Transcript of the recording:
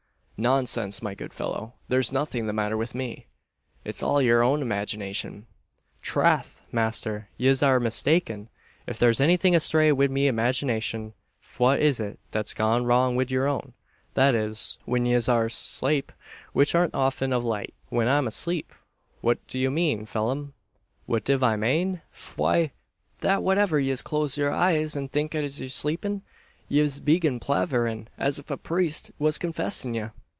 "Nonsense, my good fellow! There's nothing the matter with me. It's all your own imagination." "Trath, masther, yez arr mistaken. If there's anything asthray wid me imaginashun, fhwat is it that's gone wrong wid your own? That is, whin yez arr aslape which aren't often av late." "When I'm asleep! What do you mean, Phelim?" "What div I mane? Fwhy, that wheniver yez close your eyes an think yez are sleepin', ye begin palaverin', as if a preast was confessin' ye!"